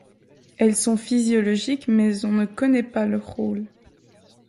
Elles sont physiologiques mais on ne connaît pas leur rôle.